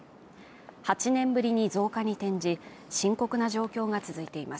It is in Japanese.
８年ぶりに増加に転じ深刻な状況が続いています